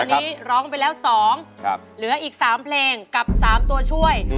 วันนี้ร้องไปแล้ว๒เหลืออีก๓เพลงกับ๓ตัวช่วย